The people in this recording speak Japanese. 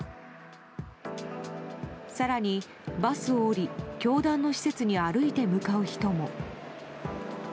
更に、バスを降り教団の施設に歩いて向かう人も。